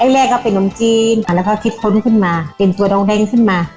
แรกก็เป็นนมจีนแล้วก็คิดค้นขึ้นมาเป็นตัวดองแดงขึ้นมา